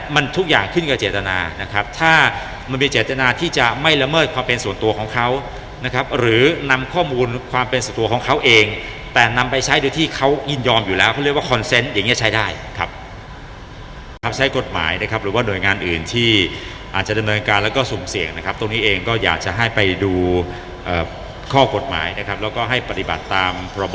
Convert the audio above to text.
มความเป็นส่วนตัวของเขานะครับหรือนำข้อมูลความเป็นส่วนตัวของเขาเองแต่นำไปใช้โดยที่เขายินยอมอยู่แล้วเขาเรียกว่าคอนเซนต์อย่างเงี้ยใช้ได้ครับครับใช้กฎหมายนะครับหรือว่าหน่วยงานอื่นที่อาจจะดำเนินการแล้วก็สุ่มเสี่ยงนะครับตรงนี้เองก็อยากจะให้ไปดูเอ่อข้อกฎหมายนะครับแล้วก็ให้ปฏิบัติตาม